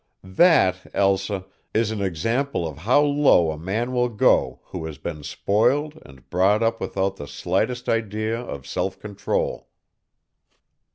That, Elsa, is an example of how low a man will go who has been spoiled and brought up without the slightest idea of self control."